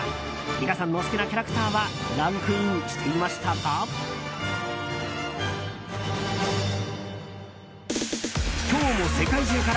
皆さんの好きなキャラクターはランクインしていましたか？